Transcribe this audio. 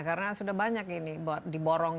karena sudah banyak ini diborong